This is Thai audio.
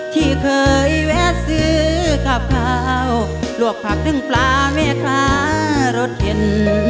ที่เคยแวะซื้อกับข้าวลวกผักตึ้งปลาแม่ค้ารสเย็น